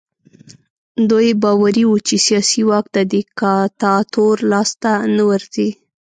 دوی باوري وو چې سیاسي واک د دیکتاتور لاس ته نه ورځي.